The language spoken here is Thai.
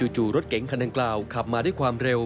จู่รถเก๋งคันดังกล่าวขับมาด้วยความเร็ว